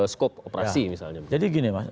skop operasi misalnya jadi gini mas